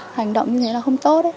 hành động như thế là không tốt